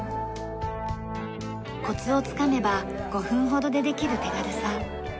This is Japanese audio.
コツをつかめば５分ほどでできる手軽さ。